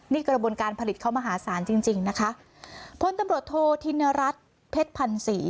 นี่กระบวนการผลิตเขามหาศาลจริงจริงนะคะพลตำรวจโทษธินรัฐเพชรพันศรี